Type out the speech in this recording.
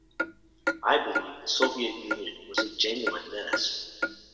I believed the Soviet Union was a genuine menace.